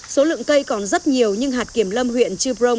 số lượng cây còn rất nhiều nhưng hạt kiểm lâm huyện chư prong